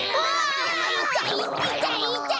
ああ。